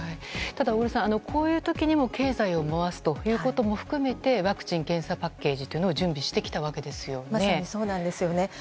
ただ、小栗さんこういう時にも経済を回すことも含めてワクチン・検査パッケージを準備してきたわけですよね。